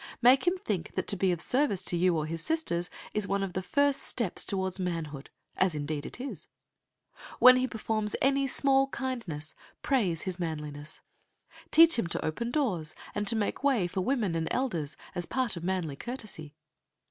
Make him think that to be of service to you or his sisters is one of the first steps toward manhood, as indeed it is. When he performs any small kindness, praise his manliness. Teach him to open doors, and to make way for women and elders, as a part of manly courtesy.